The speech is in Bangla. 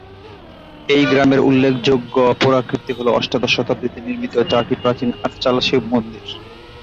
এই গ্রামের উল্লেখযোগ্য পুরাকীর্তি হল অষ্টাদশ শতাব্দীতে নির্মিত চারটি প্রাচীন আটচালা শিবমন্দির।